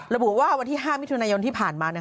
ระบุว่าวันที่๕มิถุนายนที่ผ่านมา